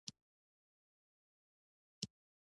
دغه طبقې هڅه کوله خپلې بقا لپاره وکاروي.